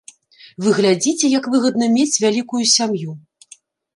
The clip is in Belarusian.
Вы глядзіце, як выгадна мець вялікую сям'ю!